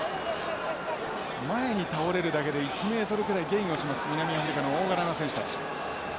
前に倒れるだけで１メートルぐらいゲインをします南アフリカの大柄な選手たち。